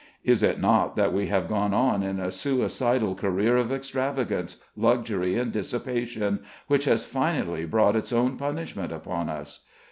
Is it not that we have gone on in a suicidal career of extravagance, luxury, and dissipation, which has finally brought its own punishment upon us?